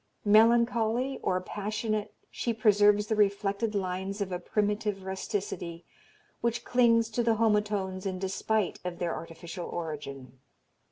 Melancholy or passionate she preserves the reflected lines of a primitive rusticity, which clings to the homotones in despite of their artificial origin."